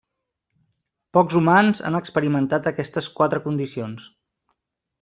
Pocs humans han experimentat aquestes quatre condicions.